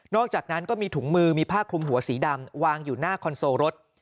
อกจากนั้นก็มีถุงมือมีผ้าคลุมหัวสีดำวางอยู่หน้าคอนโซลรถ